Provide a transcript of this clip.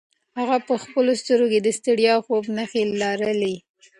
هغه په خپلو سترګو کې د ستړیا او خوب نښې لرلې.